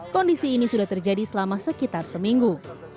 kondisi ini sudah terjadi selama sekitar seminggu